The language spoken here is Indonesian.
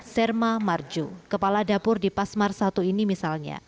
serma marju kepala dapur di pasmar satu ini misalnya